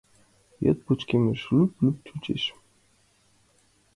Йӱд пычкемыш, лӱп-лӱп чучеш.